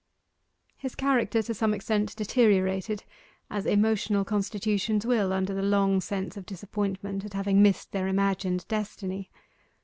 His character to some extent deteriorated, as emotional constitutions will under the long sense of disappointment at having missed their imagined destiny.